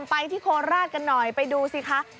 ไปที่โคราชกันหน่อยไปดูสิคะ